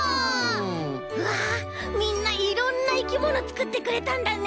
うわみんないろんないきものつくってくれたんだね！